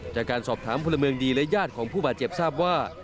จากการสอบถามพลเมืองดีและญาติของผู้บาดเจ็บทราบว่า